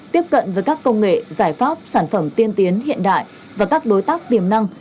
tiếp cận với các công nghệ giải pháp sản phẩm tiên tiến hiện đại và các đối tác tiềm năng